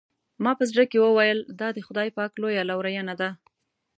ما په زړه کې وویل دا د خدای پاک لویه لورېینه ده.